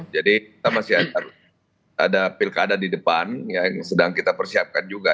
jadi kita masih ada pilkada di depan yang sedang kita persiapkan juga